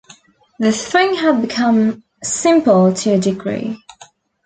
The thing had become simple to a degree.